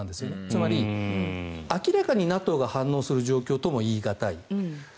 つまり、明らかにＮＡＴＯが反応する状況とも言い難い。